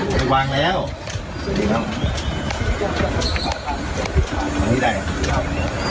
คือว่าขอสร้างไม่เห็นหัวขอเถอะไม่วางแล้ว